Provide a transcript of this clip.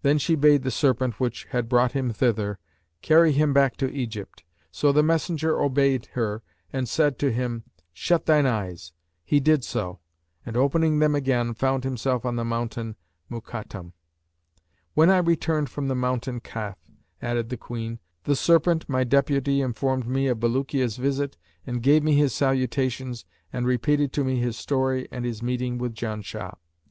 Then she bade the serpent which had brought him thither, carry him back to Egypt: so the messenger obeyed her and said to him, 'Shut thine eyes!' He did so and, opening them again, found himself on the mountain Mukattam.[FN#568] When I returned from the mountain Kaf (added the Queen) the serpent, my deputy, informed me of Bulukiya's visit and gave me his salutations and repeated to me his story and his meeting with Janshah.